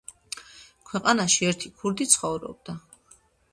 ქვეყანაში ერთი ქურდი ცხოვრობდა